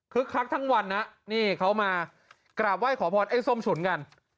คักทั้งวันนะนี่เขามากราบไหว้ขอพรไอ้ส้มฉุนกัน